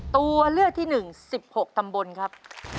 ตัวเลือกที่๑๑๖ตำบลครับ